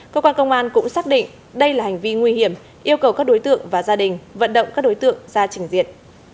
cơ quan công an cũng xác định đây là hành vi nguy hiểm yêu cầu các đối tượng và gia đình vận động các đối tượng ra trình diện